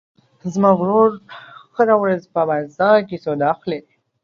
زما ورور هره ورځ په بازار کې سودا اخلي.